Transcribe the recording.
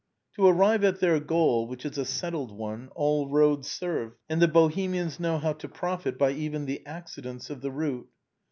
To arrive at their goal, which is a settled one, all roads serve, and the Bohemians know how to profit by even, the accidents of the route.